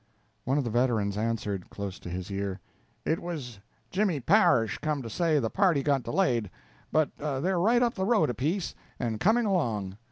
One of the veterans answered, close to his ear: "It was Jimmy Parish come to say the party got delayed, but they're right up the road a piece, and coming along.